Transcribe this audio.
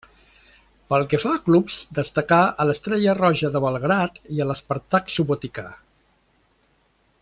Pel que fa a clubs, destacà a l'Estrella Roja de Belgrad i a l'Spartak Subotica.